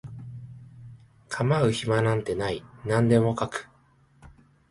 構う暇なんてない何でも描く